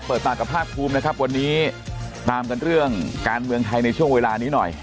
เปิดปากกับภาคภูมินะครับวันนี้ตามกันเรื่องการเมืองไทยในช่วงเวลานี้หน่อย